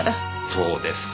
そうですか。